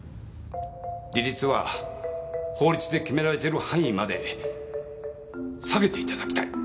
利率は法律で決められてる範囲まで下げていただきたい。